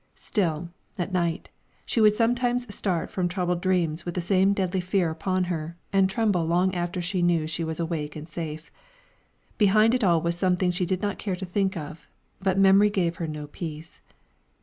Still, at night, she would sometimes start from troubled dreams with the same deadly fear upon her and tremble long after she knew she was awake and safe. Behind it all was something she did not care to think of, but memory gave her no peace.